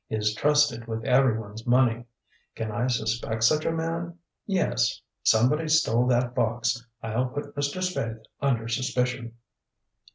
Is trusted with everyone's money. Can I suspect such a man? Yes. Somebody stole that box. I'll put Mr. Spaythe under suspicion.